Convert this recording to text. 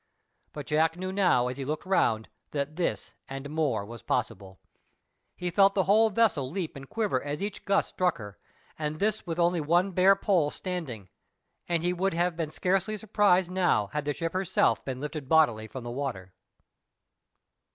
But Jack knew now as he looked round that this and more was possible. He felt the whole vessel leap and quiver as each gust struck her, and this with only one bare pole standing, and he would have been scarcely surprised now had the ship herself been lifted bodily from the water.